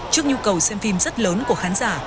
trước nhu cầu xem phim rất lớn của khán giả